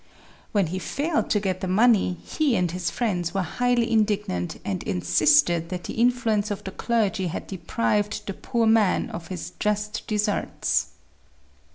When he failed to get the money he and his friends were highly indignant and insisted that the influence of the clergy had deprived the poor man of his just deserts